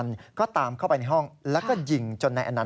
ผมแทนอยู่แบบนั้น